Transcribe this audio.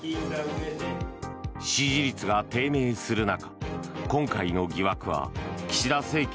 支持率が低迷する中